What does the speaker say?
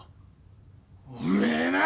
おめえなぁ！